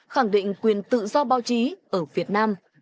khẳng định quyền tự do báo chí ở việt nam